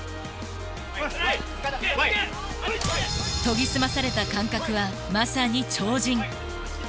研ぎ澄まされた感覚はまさに超人。